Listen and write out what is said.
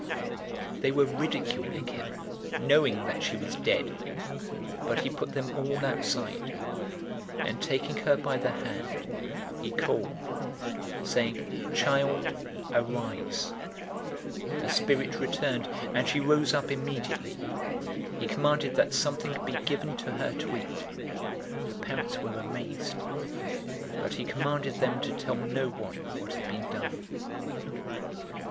008:053 They were ridiculing him, knowing that she was dead. 008:054 But he put them all outside, and taking her by the hand, he called, saying, "Child, arise!" 008:055 Her spirit returned, and she rose up immediately. He commanded that something be given to her to eat. 008:056 Her parents were amazed, but he charged them to tell no one what had been done.